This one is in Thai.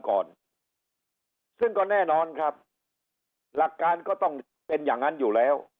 ก่อนซึ่งก็แน่นอนครับหลักการก็ต้องเป็นอย่างนั้นอยู่แล้ว